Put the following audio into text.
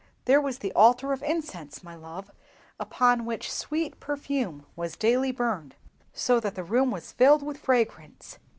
"There was the Altar of Incense, my love, upon which sweet perfume was daily burned, so that the room was filled with fragrance."